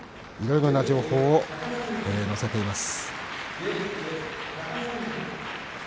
いろんな情報を載せています。